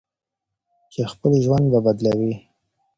چې خپل ژوند به بدلوي.